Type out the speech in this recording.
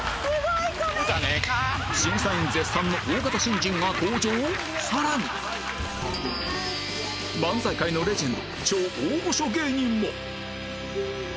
審査員絶賛のさらに漫才界のレジェンド超大御所芸人も！